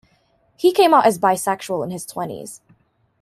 He came out as bisexual in his twenties.